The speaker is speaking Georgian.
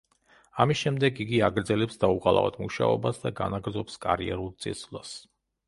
ამის შემდეგ იგი აგრძელებს დაუღალავად მუშაობას და განაგრძობს კარიერულ წინსვლას.